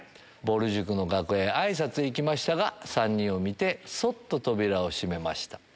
ぼる塾の楽屋へあいさつに行きましたが３人を見てそっと扉を閉めました。